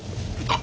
あ！